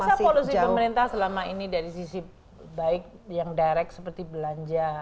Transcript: saya rasa polusi pemerintah selama ini dari sisi baik yang direct seperti belanja